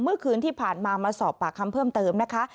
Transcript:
เมื่อคืนที่ผ่านมามาสอบปากคำเพิ่มเติมนะคะ